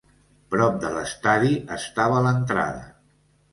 Prop de l'estadi, estava l'entrada.